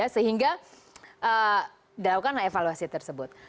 sehingga dia melakukan evaluasi tersebut